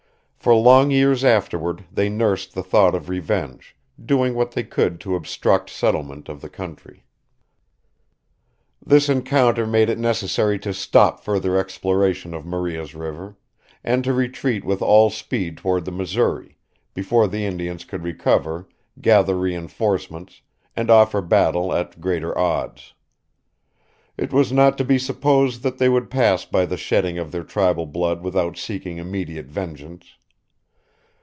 For long years afterward they nursed the thought of revenge, doing what they could to obstruct settlement of the country. This encounter made it necessary to stop further exploration of Maria's River, and to retreat with all speed toward the Missouri, before the Indians could recover, gather re enforcements, and offer battle at greater odds. It was not to be supposed that they would pass by the shedding of their tribal blood without seeking immediate vengeance.